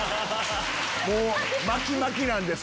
巻き巻きなんです。